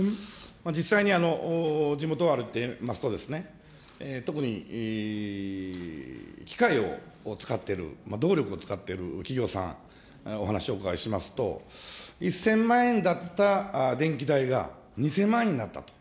実際に地元を歩いてますとね、特に機械を使っている、動力を使っている企業さん、お話をお伺いしますと、１０００万円だった電気代が２０００万円になったと。